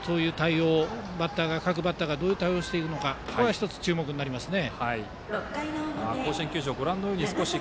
各バッターがどういう対応をしていくのかここが１つ注目になりますね。